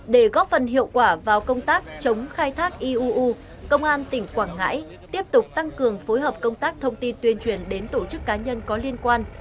để góp phần hiệu quả vào công tác chống khai thác iuu công an tỉnh quảng ngãi tiếp tục tăng cường phối hợp công tác thông tin tuyên truyền đến tổ chức cá nhân có liên quan